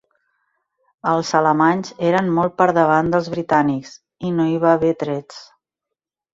Els alemanys eren molt per davant dels britànics, i no hi va haver trets.